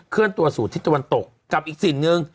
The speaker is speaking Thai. เลื่อนตัวสู่ทิศตะวันตกกับอีกสิ่งหนึ่ง